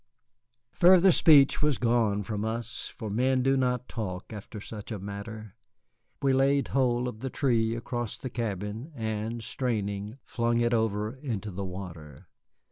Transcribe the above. Further speech was gone from us, for men do not talk after such a matter. We laid hold of the tree across the cabin and, straining, flung it over into the water.